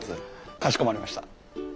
かしこまりました。